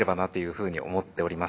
ふうに思っております。